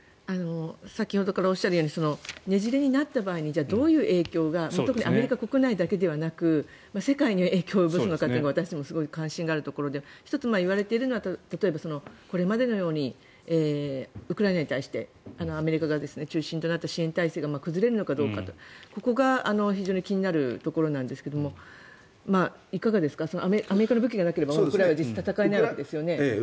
先ほどからおっしゃるようにねじれになった場合にじゃあどういう影響が特にアメリカ国内だけではなく世界に影響を及ぼすのかは私たちも関心があるところで１つ、言われているのがこれまでのようにウクライナに対してアメリカが中心となった支援体制が崩れるのかどうか、ここが非常に気になるところなんですがいかがですかアメリカの武器がなければウクライナは実質戦えないわけですよね。